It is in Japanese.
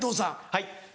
はい。